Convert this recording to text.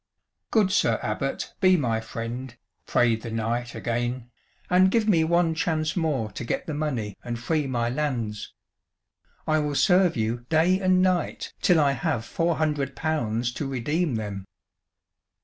"Good Sir Abbot, be my friend," prayed the knight again, "and give me one chance more to get the money and free my lands. I will serve you day and night till I have four hundred pounds to redeem them."